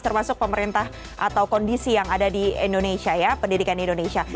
termasuk pemerintah atau kondisi yang ada di indonesia ya pendidikan di indonesia